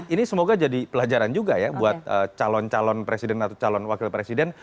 ini semoga jadi pelajaran juga ya buat calon calon presiden atau calon wakil presiden